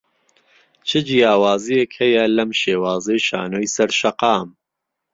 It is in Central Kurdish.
چ جیاوازییەک هەیە لەم شێوازەی شانۆی سەر شەقام؟